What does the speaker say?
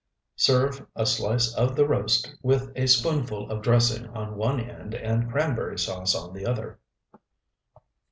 Serve a slice of the roast with a spoonful of dressing on one end and cranberry sauce on the other.